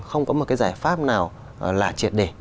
không có một cái giải pháp nào là triệt đề